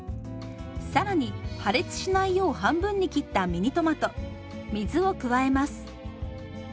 更に破裂しないよう半分に切ったミニトマト水を加えます。